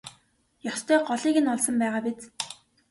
Ёстой голыг нь олсон байгаа биз?